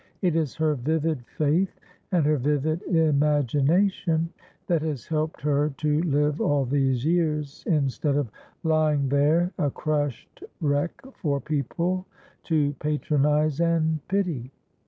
It is her vivid faith and her vivid imagination that has helped her to live all these years instead of lying there a crushed wreck for people to patronise and pity."